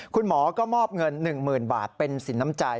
คุณหมอก็มอบเงิน๑๐๐๐บาทเป็นสินน้ำใจ